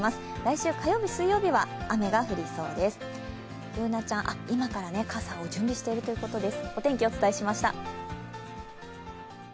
Ｂｏｏｎａちゃん、今から傘を準備しているということです。